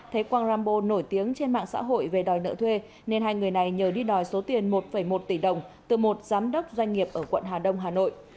thấy quang rambo nổi tiếng trên mạng xã hội về đòi nợ thuê nên hai người này nhờ đi đòi số tiền một một tỷ đồng từ một giám đốc doanh nghiệp ở quận hà đông hà nội